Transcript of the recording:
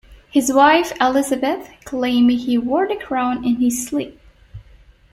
His wife, Elizabeth, claimed he 'wore the crown in his sleep'.